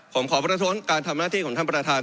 ผมขอประท้วงการทำหน้าที่ของท่านประธาน